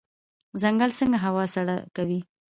ځنګل څنګه هوا سړه کوي؟